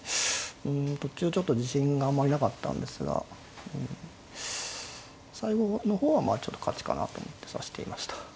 うん途中ちょっと自信があんまりなかったんですが最後の方はまあちょっと勝ちかなと思って指していました。